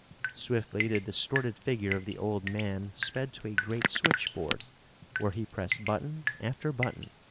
Swiftly the distorted figure of the old man sped to a great switchboard, where he pressed button after button.